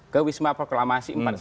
ke wisma proklamasi empat puluh satu